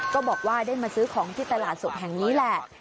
ก็บอกว่าได้มาซื้อของที่ตลาดสดแห่งนี้แหละ